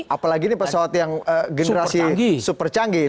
apalagi ini pesawat yang generasi super canggih tujuh ratus tiga puluh tujuh